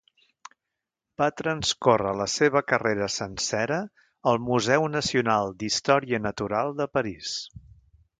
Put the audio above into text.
Va transcórrer la seva carrera sencera al Museu Nacional d'Història Natural de París.